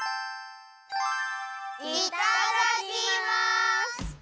いただきます！